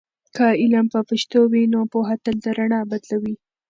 که علم په پښتو وي، نو پوهه تل د رڼا بدلوي.